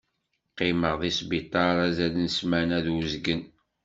Qqimeɣ deg sbiṭar azal n smana d uzgen.